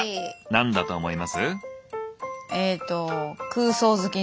何だと思います？